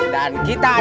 dan kita adalah